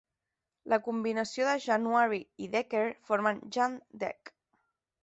La combinació de January i Decker forma Jan-deck.